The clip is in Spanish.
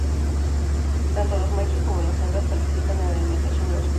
Tanto los machos como las hembras participan en la alimentación de los jóvenes.